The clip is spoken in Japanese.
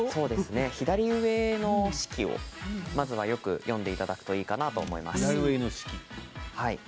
左上の式をまずはよく読んでいただくといいかなと思います。